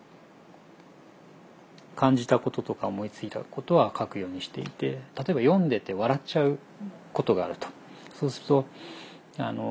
感じたこととか思いついたことは書くようにしていて例えば読んでて笑っちゃうことがあると。